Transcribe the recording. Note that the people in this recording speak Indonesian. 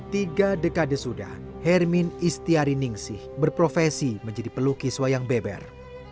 tiga dekade sudah hermin istiari ningsih berprofesi menjadi pelukis wayang beber